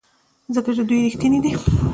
ځکه چې دوی ریښتیني دي.